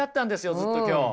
ずっと今日。